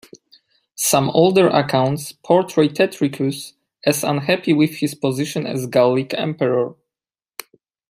Some older accounts portray Tetricus as unhappy with his position as Gallic emperor.